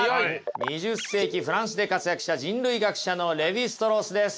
２０世紀フランスで活躍した人類学者のレヴィ＝ストロースです。